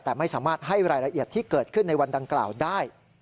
แต่ไม่สามารถให้รายละเอียดที่เกิดขึ้นในวันดังกล่าวได้